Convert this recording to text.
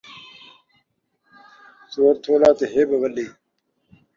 زور تھولا تے ہٻ وݙی